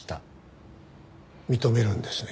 認めるんですね？